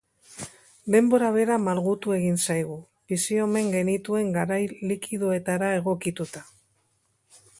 Denbora bera malgutu egin zaigu, bizi omen genituen garai likidoetara egokituta.